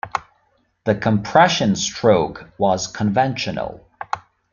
The compression stroke was conventional.